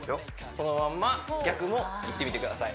そのまんま逆もいってみてください